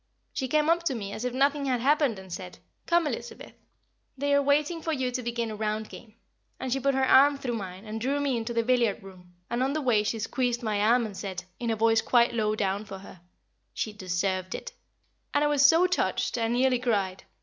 She came up to me as if nothing had happened, and said, "Come, Elizabeth, they are waiting for you to begin a round game," and she put her arm through mine and drew me into the billiard room, and on the way she squeezed my arm, and said, in a voice quite low down for her, "She deserved it," and I was so touched I nearly cried.